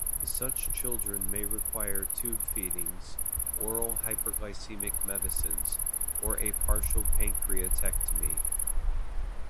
Such children may require tube feedings, oral hyperglycemic medicines, or a partial pancreatectomy.